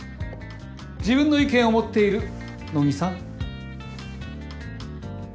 自分の意見を持っている野木さん。